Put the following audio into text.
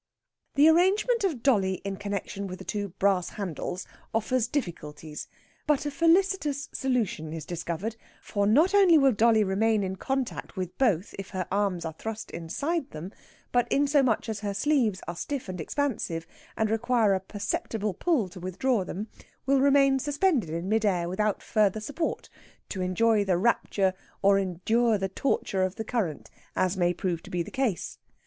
The arrangement of dolly in connexion with the two brass handles offers difficulties, but a felicitous solution is discovered, for not only will dolly remain in contact with both if her arms are thrust inside them, but insomuch as her sleeves are stiff and expansive, and require a perceptible pull to withdraw them, will remain suspended in mid air without further support, to enjoy the rapture or endure the torture of the current, as may prove to be the case.